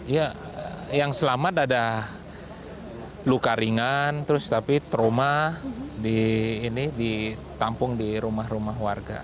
ya yang selamat ada luka ringan terus tapi trauma ditampung di rumah rumah warga